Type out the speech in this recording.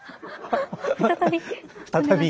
再び。